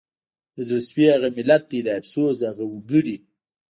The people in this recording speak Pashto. د زړه سوي هغه ملت دی د افسوس هغه وګړي